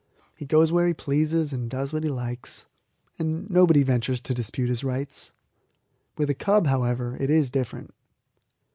He goes where he pleases and does what he likes, and nobody ventures to dispute his rights. With a cub, however, it is different.